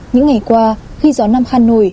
những ngày qua khi gió nam kha nội